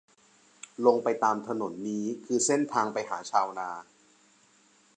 ลงไปตามถนนนี้คือเส้นทางไปหาชาวนา